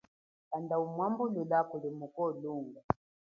Kanda umwambulula kuli muko lunga.